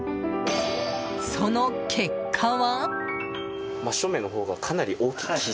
その結果は。